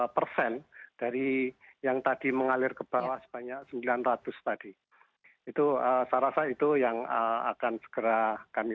persen dari yang tadi mengalir ke bawah sebanyak sembilan ratus tadi itu saya rasa itu yang akan segera kami